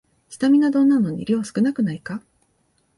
スタミナ丼なのに量少なくないか